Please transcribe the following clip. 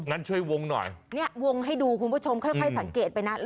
งั้นช่วยวงหน่อยเนี่ยวงให้ดูคุณผู้ชมค่อยสังเกตไปนะ